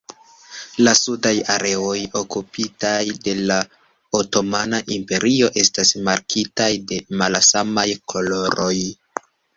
La sudaj areoj okupitaj de la otomana imperio estas markitaj de malsamaj koloroj.